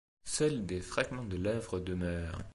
Seuls des fragments de l'œuvre demeurent.